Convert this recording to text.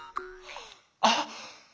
あっ！